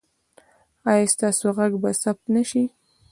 ایا ستاسو غږ به ثبت نه شي؟